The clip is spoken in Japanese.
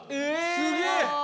すげえ。